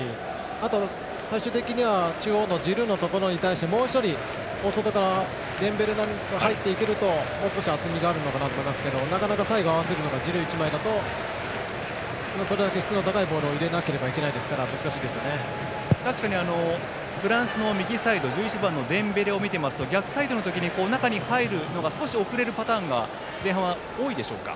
あとは、最終的には中央のジルーに対してもう１人、大外からデンベレが入っていけるともう少し厚みがあるのかなと思いますけどなかなか最後、合わせるのがジルー１枚だとそれだけ質の高いボールを入れなければいけないですから確かにフランスの右サイド１１番のデンベレを見ていますと逆サイドの時に、中に入るのが少し遅れるパターンが前半は多いでしょうか。